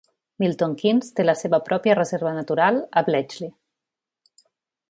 Milton Keynes té la seva pròpia reserva natural a Bletchley.